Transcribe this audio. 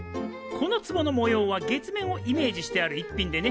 このつぼの模様は月面をイメージしてあるいっぴんでね。